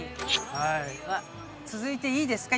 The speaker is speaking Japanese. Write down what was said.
あっ続いていいですか？